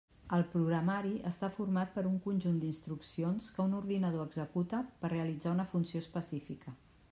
El programari està format per un conjunt d'instruccions que un ordinador executa per realitzar una funció específica.